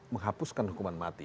menghapuskan hukuman mati